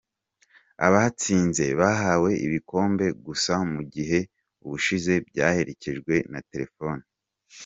Abatsinze bahawe ibikombe gusa, mu gihe ubushize byaherekejwe na Terefoni.